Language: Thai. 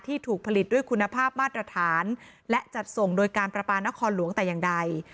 ถูกผลิตด้วยคุณภาพมาตรฐานและจัดส่งโดยการประปานครหลวงแต่อย่างใด